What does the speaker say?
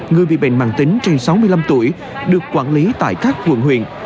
người bị bệnh mạng tính trên sáu mươi năm tuổi được quản lý tại các quận huyện